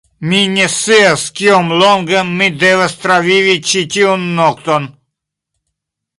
Mi ne scias kiom longe mi devas travivi ĉi tiun nokton.